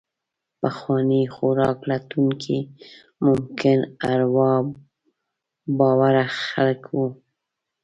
پخواني خوراک لټونکي ممکن اروا باوره خلک وو.